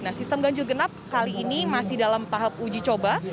nah sistem ganjil genap kali ini masih dalam tahap uji coba